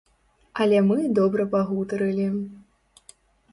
Але мы добра пагутарылі.